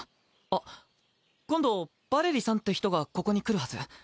あっ今度ヴァレリさんって人がここに来るはず。